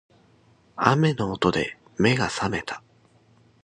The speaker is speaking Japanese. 雨の音で目が覚めた